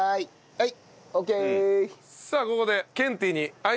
はい。